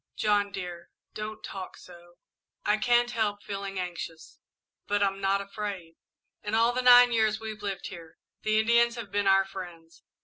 "John, dear, don't talk so. I I can't help feeling anxious, but I'm not afraid. In all the nine years we've lived here, the Indians have been our friends.